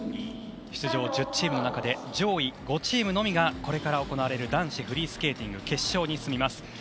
出場１０チームの中で上位５チームのみがこれから行われる男子フリースケーティング決勝に挑みます。